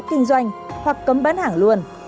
phép kinh doanh hoặc cấm bán hàng luôn